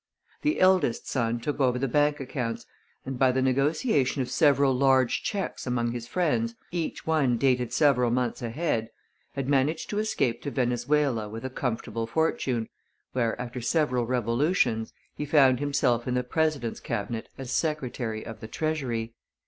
The eldest son took over the bank accounts, and by the negotiation of several large checks among his friends, each one dated several months ahead, had managed to escape to Venezuela with a comfortable fortune, where, after several revolutions, he found himself in the President's cabinet as Secretary of the Treasury.